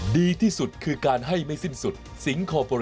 ดีที่สุดคือการให้ไม่สิ้นสุดสิงค์โคปอเรชั่น